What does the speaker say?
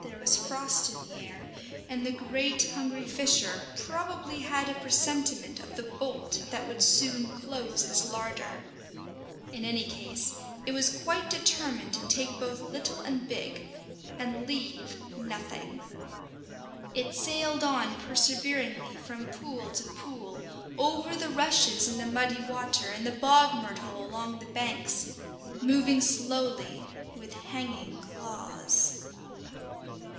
There was frost in the air, and the great, hungry fisher probably had a presentiment of the bolt that would soon close its larder. In any case it was quite determined to take both little and big, and leave nothing. It sailed on perseveringly from pool to pool, over the rushes in the muddy water and the bog myrtle along the banks, moving slowly, with hanging claws.